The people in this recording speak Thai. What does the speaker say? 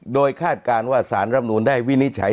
โดยคาดการณ์ว่าสารรับนูนได้วินิจฉัย